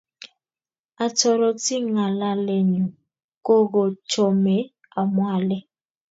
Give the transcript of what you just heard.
Otoroti ngalalenyu ko kochomei amwa ale